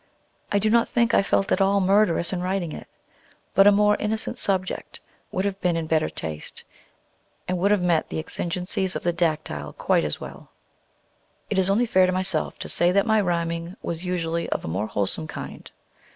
I do not think I felt at all murderous in writing it; but a more innocent subject would have been in better taste, and would have met the exigencies of the dactyl quite as well. It is also only fair to myself to say that my rhyming was usually of a more wholesome kind.